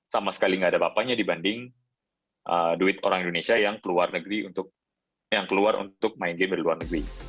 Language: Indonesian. sama sekali nggak ada apa apanya dibanding duit orang indonesia yang keluar untuk main game di luar negeri